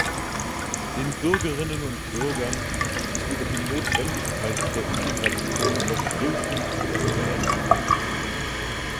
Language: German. Den Bürgerinnen und Bürgern ist über die Notwendigkeit der Integration noch soviel zu erklären.